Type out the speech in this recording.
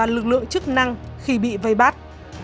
lựa chức năng khi bị vây bắt